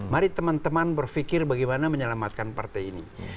mari teman teman berpikir bagaimana menyelamatkan partai ini